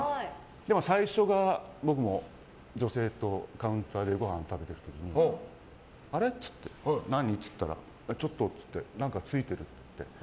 最初が僕も女性とカウンターでごはん食べてる時にあれ？って言われて何？って言ったらちょっと、何かついているって。